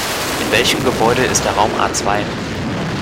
In welchem Gebäude ist der Raum A zwei?